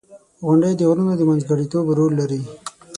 • غونډۍ د غرونو د منځګړیتوب رول لري.